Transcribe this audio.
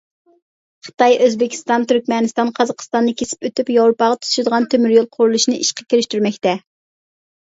خىتاي ئۆزبېكىستان، تۈركمەنىستان، قازاقىستاننى كېسىپ ئۆتۈپ ياۋروپاغا تۇتىشىدىغان تۆمۈر يول قۇرۇلۇشنى ئىشقا كىرىشتۈرمەكتە.